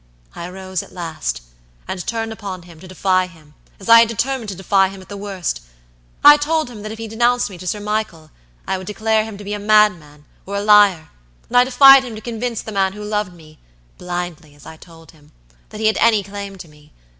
I rose at last, and turned upon him to defy him, as I had determined to defy him at the worst. I told him that if he denounced me to Sir Michael, I would declare him to be a madman or a liar, and I defied him to convince the man who loved meblindly, as I told himthat he had any claim to me.